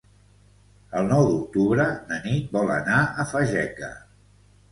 El nou d'octubre na Nit vol anar a Fageca.